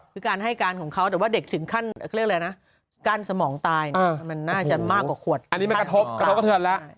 คือการให้การของเขาแต่ว่าเด็กถึงขั้นเรียกอะไรนะกั้นสมองตายมันน่าจะมากกว่าขวดอันนี้มันกระทบกระทบกระเทือนแล้ว